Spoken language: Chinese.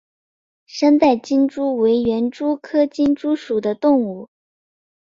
三带金蛛为园蛛科金蛛属的动物。